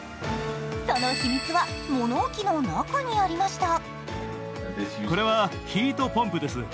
その秘密は物置の中にありました。